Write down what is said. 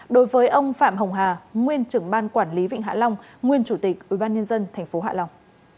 đối với ông phạm hồng hà nguyên trưởng ban quản lý vịnh hạ long nguyên chủ tịch ubnd tp hạ long